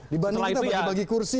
dibanding kita bagi bagi kursi